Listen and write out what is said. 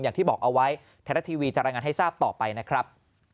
อย่างที่บอกเอาไว้ไทยรัฐทีวีจะรายงานให้ทราบต่อไปนะครับ